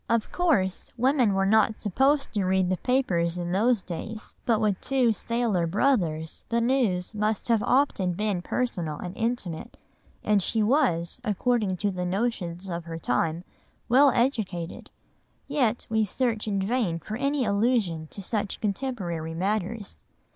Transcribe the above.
Of course women were not supposed to read the papers in those days, but with two sailor brothers the news must have often been personal and intimate, and she was, according to the notions of her time, well educated; yet we search in vain for any allusion to such contemporary matters.